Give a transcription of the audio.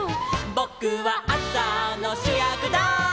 「ぼくはあさのしゅやくだい」